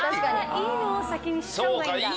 いいのを先に知ったほうがいいんだ。